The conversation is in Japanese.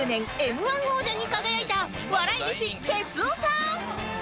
Ｍ−１ 王者に輝いた笑い飯哲夫さん